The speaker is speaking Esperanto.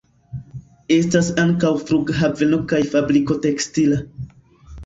Estas ankaŭ flughaveno kaj fabriko tekstila.